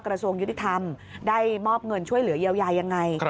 กระทรวงยุติธรรมได้มอบเงินช่วยเหลือเยียวยายังไง